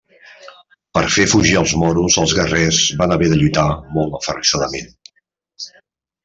Per fer fugir els moros els guerrers van haver de lluitar molt aferrissadament.